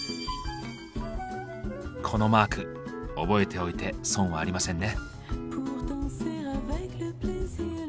このマーク覚えておいて損はありませんね。